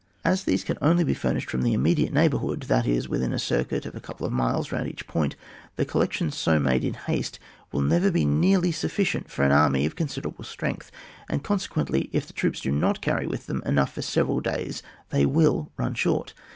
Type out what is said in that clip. As these can only be furnished from the immediate neighbourhood, that is, within a circuit of a couple of miles round each point, the collections so made in haste will never be nearly sufficient for an army of consider able strength, and consequently, if the troops do not carry with them enough for several days, they will run short.